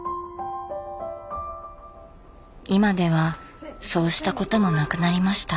今ではそうしたこともなくなりました。